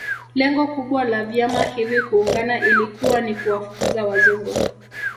Lengo kubwa la vyama hivi kuungana ilikuwa ni kuwafukuza Wazungu